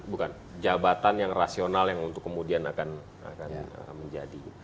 bukan jabatan yang rasional yang untuk kemudian akan menjadi